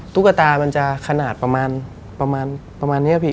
ตุ๊กตามันจะขนาดประมาณนี้ครับพี่